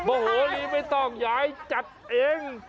โหรีไม่ต้องยายจัดเอง